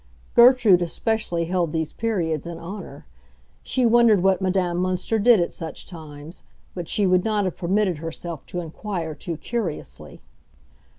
Gertrude especially held these periods in honor; she wondered what Madame Münster did at such times, but she would not have permitted herself to inquire too curiously.